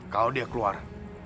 kalau dia keluar